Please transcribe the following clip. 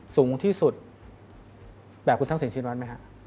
สูงที่สุดแบบคุณทักษิณชินวัฒน์ไหมฮะ